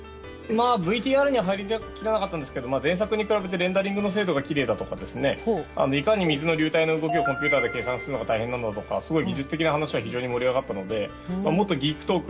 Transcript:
ＶＴＲには入りきらなかったんですが前作に比べてレンダリングの精度がきれいだとかいかに水の流体の動きを計算するのが大変だとかすごい技術的な話は非常に盛り上がったのでもうちょっと技術トーク